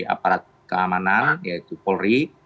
aparat keamanan yaitu paul ri